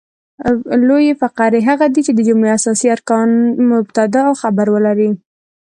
لویي فقرې هغه دي، چي د جملې اساسي ارکان مبتداء او خبر ولري.